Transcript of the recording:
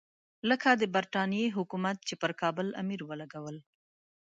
لکه د برټانیې حکومت چې پر کابل امیر ولګول.